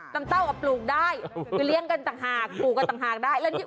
เต้าก็ปลูกได้คือเลี้ยงกันต่างหากปลูกกันต่างหากได้